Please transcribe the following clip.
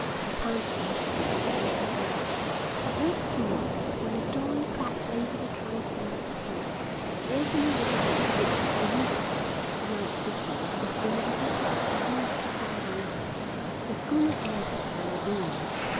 He panted a little in the heat of the night. But next morning, when the dawn crept over the tranquil sea, the opening in the reef which had eluded them the night before was seen a little to the east of where they lay. The schooner entered the lagoon.